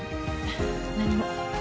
何も。